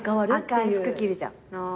赤い服着るじゃん。